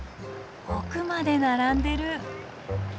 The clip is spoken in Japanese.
奥まで並んでる！